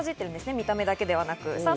見た目だけでなく。